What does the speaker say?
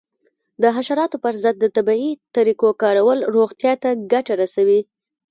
د حشراتو پر ضد د طبیعي طریقو کارول روغتیا ته ګټه رسوي.